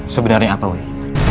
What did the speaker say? sebenarnya apa woi